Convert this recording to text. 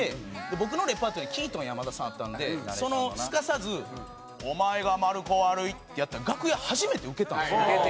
僕のレパートリーにキートン山田さんあったんですかさず「お前がまる子悪い」ってやったら楽屋初めてウケたんですよ。